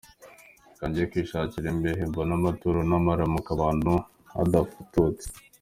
Reka njye kwishakira imbehe, mbone amaturo n’amaramuko ahantu hadafututse!